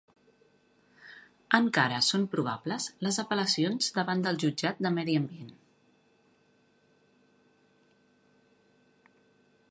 Encara són probables les apel·lacions davant del jutjat de Medi Ambient.